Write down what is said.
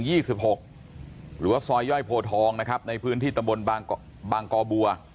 หรือว่าซอยย่อยโพทองนะครับในพื้นที่ตำบลบางกอบัว